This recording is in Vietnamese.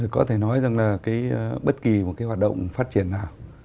có thể nói rằng là cái bất kỳ một cái hoạt động phát triển nào